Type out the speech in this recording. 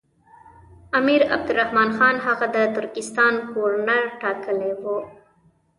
امیر عبدالرحمن خان هغه د ترکستان ګورنر ټاکلی وو.